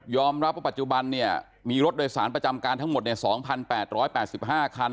ยอมรับว่าปัจจุบันเนี่ยมีรถโดยสารประจำการทั้งหมดในสองพันแปดร้อยแปดสิบห้าคัน